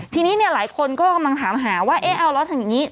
ทีนี้หลายคนก็กำลังถามหาว่าเอ๊ะเอาล่ะถ้าอย่างนี้